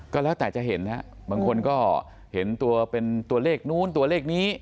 ก็แล้วแต่จะเห็นนะบางคนก็เห็นตัวเป็นตัวเลขนู้นตัวเลขนี้